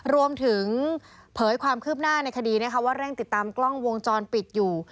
เผยความคืบหน้าในคดีนะคะว่าเร่งติดตามกล้องวงจรปิดอยู่